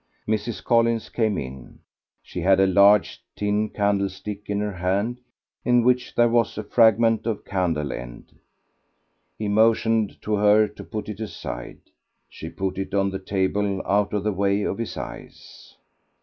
Mrs. Collins came in. She had a large tin candlestick in her hand in which there was a fragment of candle end. He motioned to her to put it aside. She put it on the table out of the way of his eyes.